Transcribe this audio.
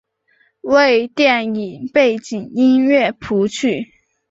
为电影背景音乐谱曲。